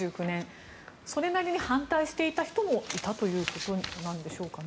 それなりに反対していた人もいたということなんでしょうか。